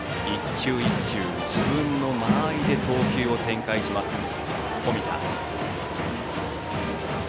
１球１球、自分の間合いで投球を展開する冨田。